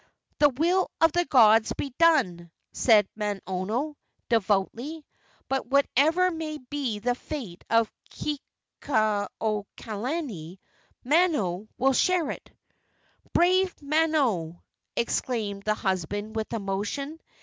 "The will of the gods be done!" said Manono, devoutly. "But, whatever may be the fate of Kekuaokalani, Manono will share it." "Brave Manono!" exclaimed the husband, with emotion.